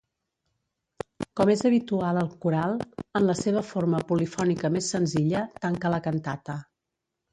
Com és habitual el coral, en la seva forma polifònica més senzilla, tanca la cantata.